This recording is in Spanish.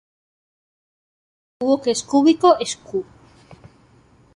El único hipercubo que es cúbico es "Q".